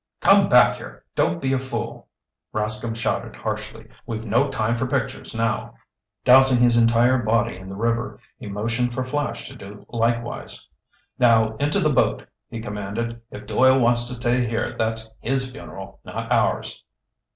"Come back here! Don't be a fool!" Rascomb shouted harshly. "We've no time for pictures now." Dousing his entire body in the river, he motioned for Flash to do likewise. "Now into the boat!" he commanded. "If Doyle wants to stay here that's his funeral, not ours!"